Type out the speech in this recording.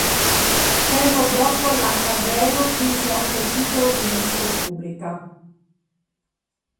Tempo dopo la Carreño vinse anche il titolo di Miss República.